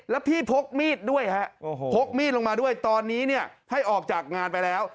แล้วพี่พกมีดด้วยฮะพกมีดลงมาด้วยตอนนี้เนี่ยให้ออกจากงานไปแล้ว